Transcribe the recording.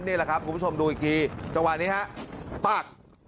นี่แหละครับคุณผู้ชมดูอีกทีจังหวะนี้ฮะปัก